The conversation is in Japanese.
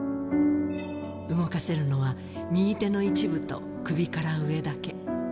動かせるのは右手の一部と首から上だけ。